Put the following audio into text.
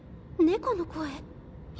猫の声？